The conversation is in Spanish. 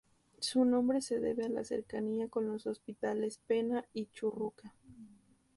Su nombre se debe a la cercanía con los hospitales Penna y Churruca.